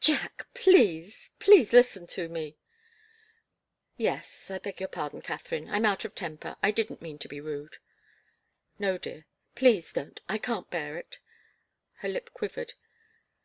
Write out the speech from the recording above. "Jack! Please please listen to me " "Yes. I beg your pardon, Katharine. I'm out of temper. I didn't mean to be rude." "No, dear. Please don't. I can't bear it." Her lip quivered.